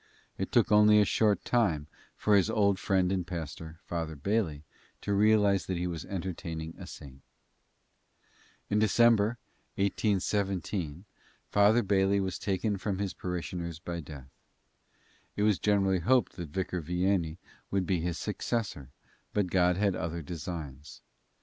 It took only a short time for his old friend and pastor, Father Bailey, to realize that he was entertaining a saint. In December, 1817, Father Bailey was taken from his parishioners by death. It was generally hoped that Vicar Vianney would be his successor, but God had other designs.